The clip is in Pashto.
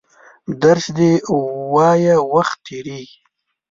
درس دي وایه وخت تېرېږي!